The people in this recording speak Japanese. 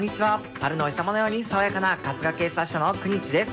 春のお日様のように爽やかな春日警察署の九日です。